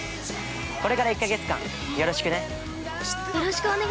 これから１か月間よろしくね。